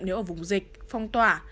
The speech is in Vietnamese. nếu ở vùng dịch phong tỏa